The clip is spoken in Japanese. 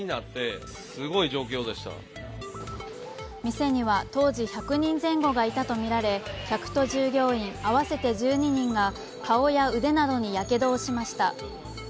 店には当時１００人前後がいたとみられ客と従業員合わせて１２人が顔や腕などにやけどをしました。